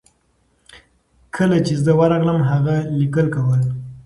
کله چې زه ورغلم هغه لیکل کول.